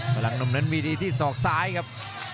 พลังหนุ่มนั้นมีดีที่ศอกซ้ายครับ